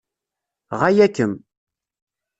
Ɣaya-kem.